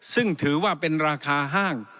ซึ่งถือว่าเป็นราคาห้าง